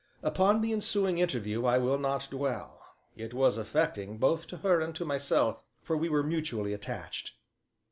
Upon the ensuing interview I will not dwell; it was affecting both to her and to myself, for we were mutually attached.